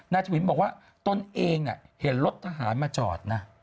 ทวินบอกว่าตนเองเห็นรถทหารมาจอดนะ